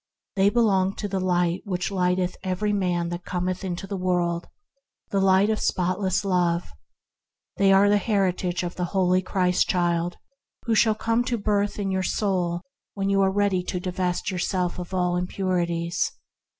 They belong to "the Light which lighteth every man that cometh into the world," the Light of spot less Love. They are the heritage of the \ HEAVEN IN THE HEART 163 holy Christ Child who shall come to birth in your soul when you are ready to divest yourself of all your impurities.